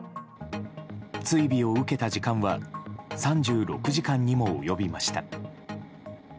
追尾を受けた時間は３６時間にも及びました。